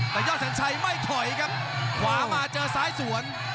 แต่ยอดแสนชัยไม่ถอยครับขวามาเจอซ้ายสวน